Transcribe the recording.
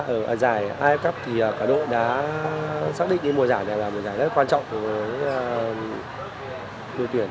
ở giải i cup thì cả đội đã xác định mùa giải này là một giải rất quan trọng của người tuyển